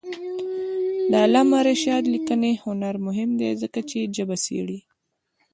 د علامه رشاد لیکنی هنر مهم دی ځکه چې ژبه څېړي.